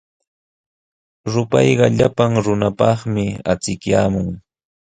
Rupayqa llapan runapaqmi achikyaamun.